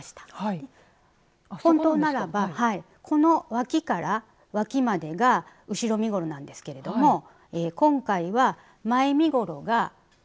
本当ならばこのわきからわきまでが後ろ身ごろなんですけれども今回は前身ごろがここまでですね。